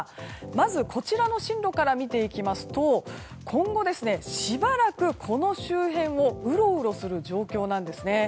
まずこちらの進路から見ていきますと今後、しばらくこの周辺をうろうろする状況なんですね。